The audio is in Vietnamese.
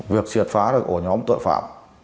việc triệt phá được ổ nhóm tội phạm